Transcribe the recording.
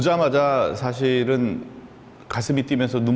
saya terasa terang dan terang